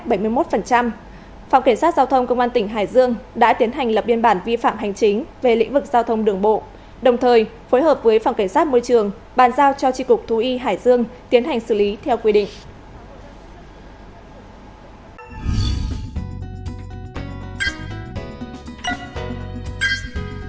phòng cảnh sát giao thông công an tỉnh hải dương đã tiến hành lập biên bản vi phạm hành chính về lĩnh vực giao thông đường bộ đồng thời phối hợp với phòng cảnh sát môi trường bàn giao cho tri cục thú y hải dương tiến hành xử lý theo quy định